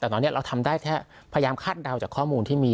แต่ตอนนี้เราทำได้แค่พยายามคาดเดาจากข้อมูลที่มี